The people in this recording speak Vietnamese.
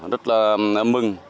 rất là mừng